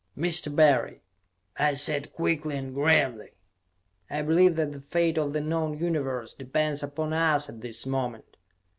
"Mr. Barry," I said quickly and gravely, "I believe that the fate of the known Universe depends upon us at this moment.